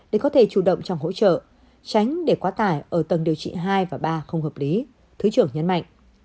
để có thể chủ động trong hỗ trợ tránh để quá tải ở tầng điều trị hai và ba không hợp lý thứ trưởng nhấn mạnh